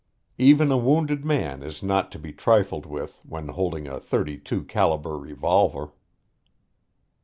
Even a wounded man is not to be trifled with when holding a thirty two caliber revolver.